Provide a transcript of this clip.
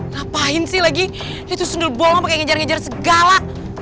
ngapain sih lagi dia tuh sendul bolong pakai ngejar ngejar segala